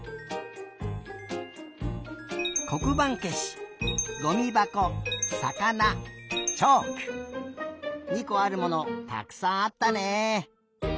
こくばんけしごみばこさかなチョーク２こあるものたくさんあったね！